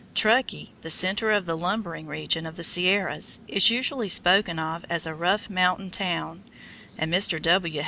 Truckee, the center of the "lumbering region" of the Sierras, is usually spoken of as "a rough mountain town," and Mr. W.